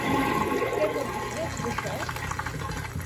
Què n'opines d'això?